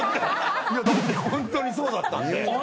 だってホントにそうだったんで。